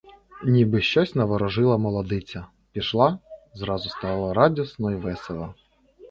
Ніби щось наворожила молодиця: пішла, зразу стало радісно й весело.